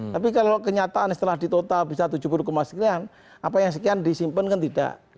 tapi kalau kenyataan setelah di total bisa tujuh puluh sekian apa yang sekian disimpan kan tidak